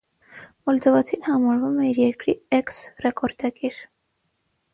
Մոլդովացին համարվում է իր երկրի էքս ռեկորդակիր։